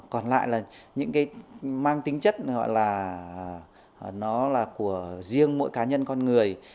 còn lại là những cái mang tính chất nó là của riêng mỗi cá nhân con người